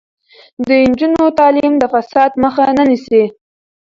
د نجونو تعلیم د فساد مخه نیسي.